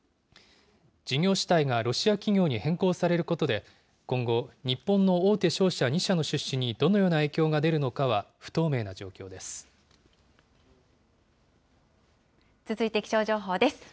事業主体がロシア企業に変更されることで、今後、日本の大手商社２社の出資にどのような影響が出続いて気象情報です。